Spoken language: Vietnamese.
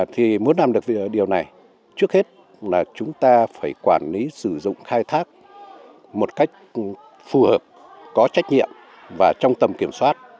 thì muốn làm được điều này trước hết là chúng ta phải quản lý sử dụng khai thác một cách phù hợp có trách nhiệm và trong tầm kiểm soát